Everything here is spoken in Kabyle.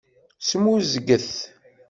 Smuzget.